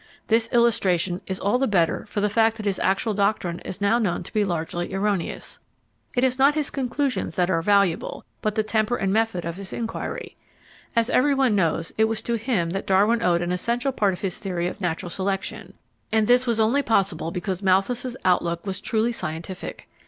This illustration is all the better for the fact that his actual doctrine is now known to be largely erroneous. It is not his conclusions that are valuable, but the temper and method of his inquiry. As everyone knows, it was to him that Darwin owed an essential part of his theory of natural selection, and this was only possible because Malthus's outlook was truly scientific.